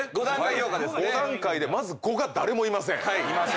５段階でまず５が誰もいません。